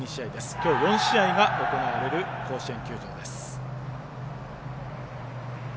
きょう４試合が行われる甲子園球場です。